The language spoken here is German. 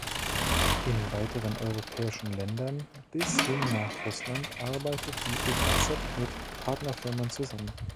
In weiteren europäischen Ländern bis hin nach Russland arbeitet die "ekz" mit Partnerfirmen zusammen.